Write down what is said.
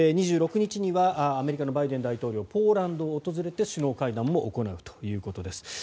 ２６日にはアメリカのバイデン大統領がポーランドを訪れて首脳会談も行うということです。